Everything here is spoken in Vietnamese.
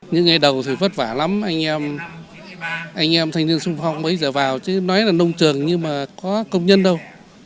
những ngày đầu thì phất vả lắm anh em anh em thanh niên xung phong bấy giờ vào chứ nói là nông trường nhưng mà có công nhân đâu